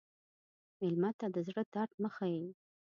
مېلمه ته د زړه درد مه ښیې.